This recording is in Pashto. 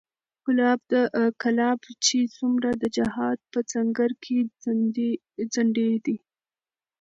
کلاب چې څومره د جهاد په سنګر کې ځنډېدی